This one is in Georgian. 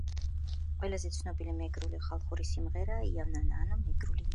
ყველაზე ცნობილი მეგრული ხალხური სიმღერაა იავნანა ანუ „მეგრული ნანა“.